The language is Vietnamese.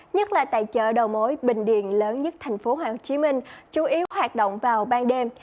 nhất là tại chợ đầu mối bình điện lớn nhất tp hcm chủ yếu hoạt động vào ban đêm